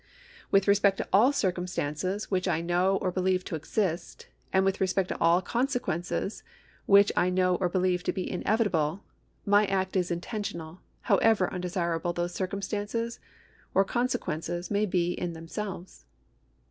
With respect to all circnmstances which I know or believe to exist, and with respect to all conseqnences which I know or believe to be inevitable, my act is intentional, however undesirable those circnmstances or consequences may be in themselves.